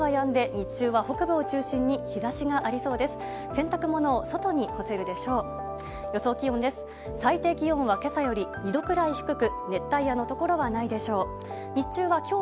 洗濯物を外に干せるでしょう。